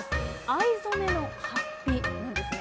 藍染めのはっぴなんですね。